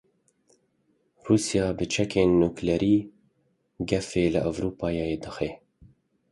Rûsya bi çekên nukleerî gefê li Ewropayê dixwe.